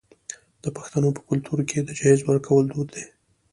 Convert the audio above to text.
د پښتنو په کلتور کې د جهیز ورکول دود دی.